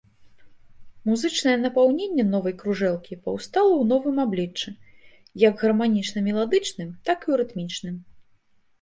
Музычнае напаўненне новай кружэлкі паўстала ў новым абліччы, як гарманічна-меладычным, так і ў рытмічным.